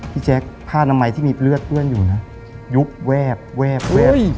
พี่แจ๊คผ้าน้ำไหมที่มีเลือดเตือนอยู่นะหยุบแวบแวบแวบ